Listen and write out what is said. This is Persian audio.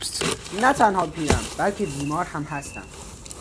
نه تنها پیرم بلکه بیمار هم هستم.